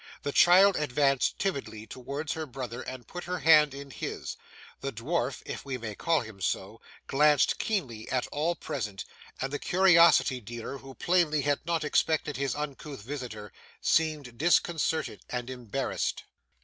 The child advanced timidly towards her brother and put her hand in his, the dwarf (if we may call him so) glanced keenly at all present, and the curiosity dealer, who plainly had not expected his uncouth visitor, seemed disconcerted and embarrassed.